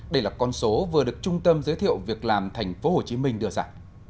đây là con số vừa được trung tâm giới thiệu việc làm tp hcm đưa ra